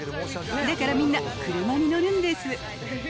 だからみんな車に乗るんです。